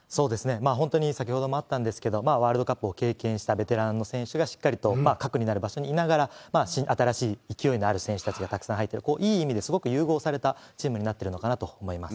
本当に先ほどもあったんですけど、ワールドカップを経験したベテランの選手がしっかりと核になる場所にいながら、新しい勢いのある選手たちがたくさん入ってる、いい意味で、すごく融合されたチームになってるのかなと思います。